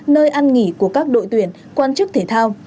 nơi ăn nghỉ của các đội tuyển quan chức thể thao